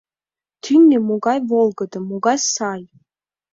«Тӱнӧ могай волгыдо, могай сай!